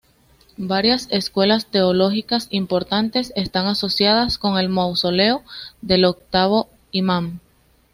Varias escuelas teológicas importantes están asociadas con el mausoleo del Octavo Imam.